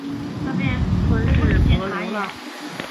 昆士柏流浪